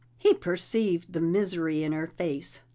He perceived the misery in her face.